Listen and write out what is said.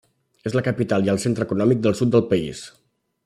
És la capital i el centre econòmic del sud del país.